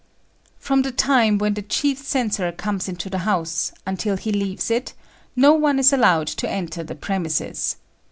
From the time when the chief censor comes into the house until he leaves it, no one is allowed to enter the premises.